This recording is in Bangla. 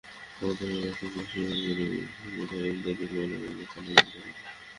অজ্ঞাতনামা ব্যক্তিদের আসামি করে ইরফানুলের ভাই ইমদাদুল কলাবাগান থানায় মামলা করেন।